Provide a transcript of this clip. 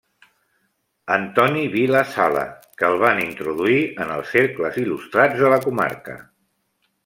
Antoni Vila Sala que el van introduir en els cercles il·lustrats de la comarca.